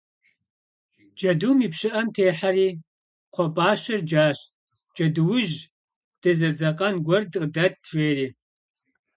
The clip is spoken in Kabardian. Джэдум и пщыӏэм техьэри, кхъуэпӏащэр джащ: - Джэдуужь, дызэдзэкъэн гуэр къыдэт, - жери.